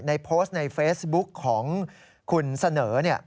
ในโพสต์ในเฟซบุ๊กของคุณเสนอเนี่ย